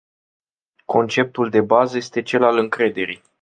Conceptul de bază este cel al încrederii.